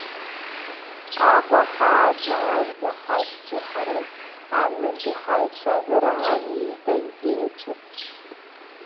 Аҟәа ҳааӡаанӡа ҳашьцәеи ҳареи амҩантәи ҳаицәажәараан иит аидеиа ҿыц.